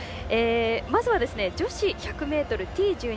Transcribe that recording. まずは女子１００ｍＴ１２